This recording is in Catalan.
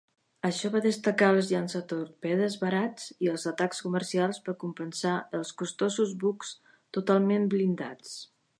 Això va destacar els llançatorpedes barats i els atacs comercials per compensar els costosos bucs totalment blindats.